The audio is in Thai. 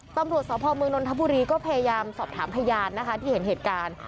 ตำรวจสพเมืองนนทบุรีก็พยายามสอบถามพยานนะคะที่เห็นเหตุการณ์